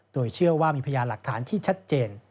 โดยเชื่อว่ามีพยานหลักฐานที่ชัดเจน